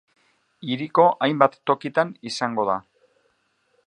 Hiriko hainbat tokitan izango da.